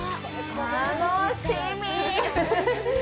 楽しみ！